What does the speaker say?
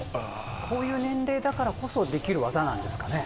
こういう年齢だからこそできる技なんですかね。